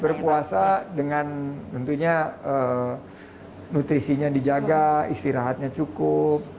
berpuasa dengan tentunya nutrisinya dijaga istirahatnya cukup